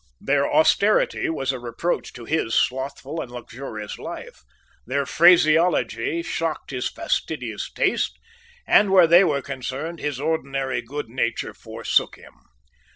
Their austerity was a reproach to his slothful and luxurious life; their phraseology shocked his fastidious taste; and, where they were concerned, his ordinary good nature forsook him.